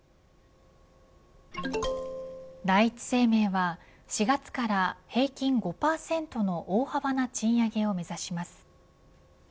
第一生命は４月から平均５％の大幅な賃上げを目指します。